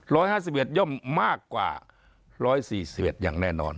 ร้อยห้าสิบเอ็ดย่อมมากกว่าร้อยสี่สิบเอ็ดอย่างแน่นอน